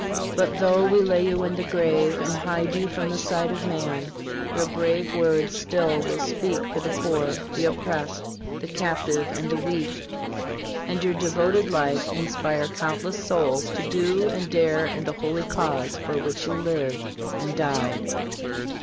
But, though we lay you in the grave and hide you from the sight of man, your brave words still will speak for the poor, the oppressed, the captive and the weak ; and your devoted life inspire countless souls to do and dare in the holy cause for which you lived and died.